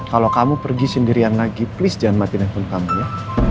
kalau kamu pergi sendirian lagi please jangan mati level kamu ya